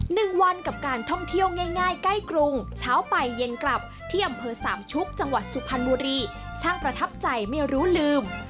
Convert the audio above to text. หนึ่งวันกับการท่องเที่ยวง่ายง่ายใกล้กรุงเช้าไปเย็นกลับที่อำเภอสามชุกจังหวัดสุพรรณบุรีช่างประทับใจไม่รู้ลืม